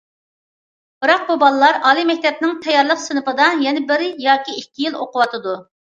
بىراق بۇ بالىلار ئالىي مەكتەپنىڭ تەييارلىق سىنىپىدا يەنە بىر يىل ياكى ئىككى يىل ئوقۇۋاتىدۇ.